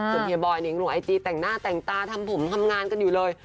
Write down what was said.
ส่วนเฮียบอยเนี่ยยังลงไอจีแต่งหน้าแต่งตาทำผมทำงานกันอยู่เลย